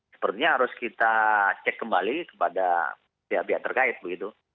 sepertinya harus kita cek kembali kepada pihak pihak terkait begitu